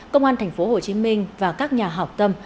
công an tp hcm và các nhà học tâm